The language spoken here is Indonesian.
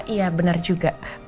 iya benar juga